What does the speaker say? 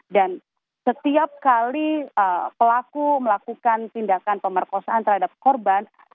dan setiap kali pelaku melakukan tindakan pemerkosaan terhadap korban